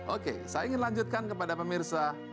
oke saya ingin lanjutkan kepada pemirsa